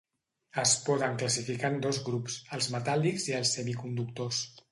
Es poden classificar en dos grups, els metàl·lics i els semiconductors.